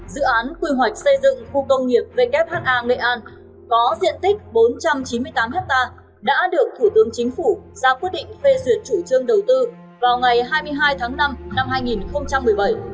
dự án quy hoạch xây dựng khu công nghiệp wh nghệ an có diện tích bốn trăm chín mươi tám ha đã được thủ tướng chính phủ ra quyết định phê duyệt chủ trương đầu tư vào ngày hai mươi hai tháng năm năm hai nghìn một mươi bảy